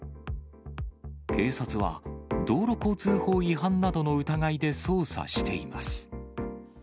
警察は、道路交通法違反などの疑いで捜査しています。